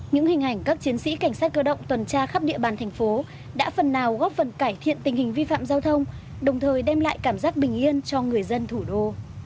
những hình ảnh các chiến sĩ cảnh sát cơ động tuần tra khắp địa bàn thành phố đã phần nào góp phần cải thiện tình hình vi phạm giao thông đồng thời đem lại cảm giác bình yên cho người dân thủ đô